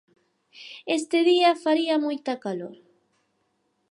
Este día faría moita calor.